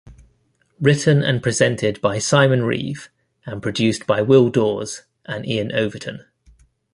Written and presented by Simon Reeve, and produced by Will Daws and Iain Overton.